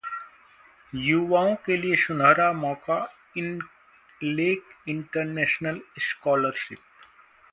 युवाओं के लिए सुनहरा मौका इनलेक इंटरनेशनल स्कॉलरशिप